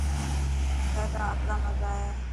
ٿر را آپرا مزا هي.